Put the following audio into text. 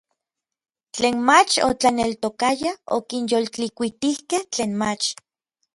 Tlen mach otlaneltokayaj okinyoltlikuitijkej tlen mach.